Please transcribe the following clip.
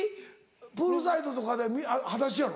プールサイドとかではだしやろ？